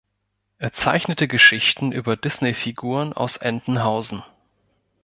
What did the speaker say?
Er zeichnete Geschichten über Disney-Figuren aus Entenhausen.